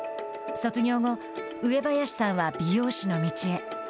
卒業後、上林さんは美容師の道へ。